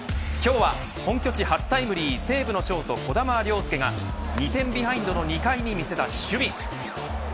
今日は本拠地初タイムリー西武のショート児玉亮涼が２点ビハインドの２回に見せた守備。